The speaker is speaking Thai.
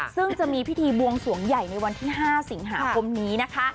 ซึ่งจะมีพิธีบวงสวงใหญ่ในวันที่๕สิงหาคมนี้นะคะ